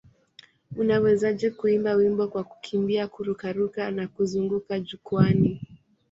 Unawezaje kuimba wimbo kwa kukimbia, kururuka na kuzunguka jukwaani?